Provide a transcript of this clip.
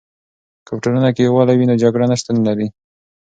که په ټولنه کې یوالی وي، نو جګړه نه شتون لري.